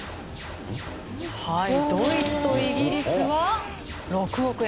はいドイツとイギリスは６億円。